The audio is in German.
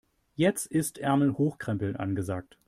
Jetzt ist Ärmel hochkrempeln angesagt.